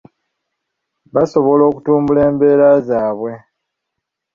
Basobola okutumbula embeera zaabwe.